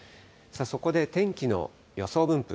そこで天気の予想分布